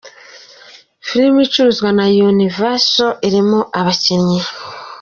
Ni filime icuruzwa na Universal, irimo abakinnyi